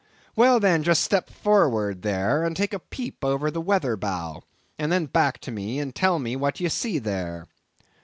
Well then, just step forward there, and take a peep over the weather bow, and then back to me and tell me what ye see there."